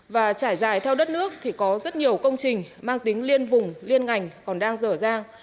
và trải dài theo đất nước thì có rất nhiều công trình mang tính liên vùng liên ngành còn đang dở dang